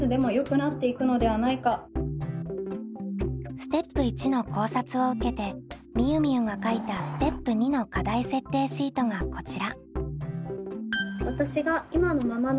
ステップ①の考察を受けてみゆみゆが書いたステップ②の課題設定シートがこちら。